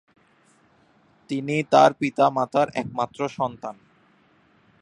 তিনি তার পিতা-মাতার একমাত্র সন্তান।